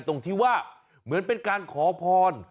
ตรงที่ว่าเหมือนเป็นการขอพร